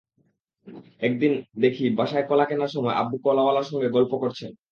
একদিন দেখি বাসায় কলা কেনার সময় আব্বু কলাওয়ালার সঙ্গে গল্প করছেন।